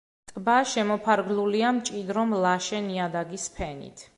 ტბა შემოფარგლულია მჭიდრო მლაშე ნიადაგის ფენით.